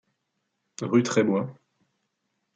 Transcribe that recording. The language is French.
Rue Trebois.